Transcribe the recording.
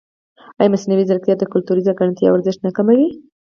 ایا مصنوعي ځیرکتیا د کلتوري ځانګړتیاوو ارزښت نه کموي؟